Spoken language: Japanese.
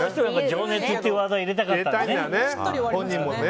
情熱っていうワードを入れたかったんだね。